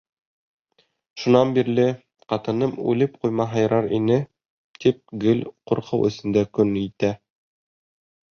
Шунан бирле, ҡатыным үлеп ҡуймаһа ярар ине, тип, гел ҡурҡыу эсендә көн итә.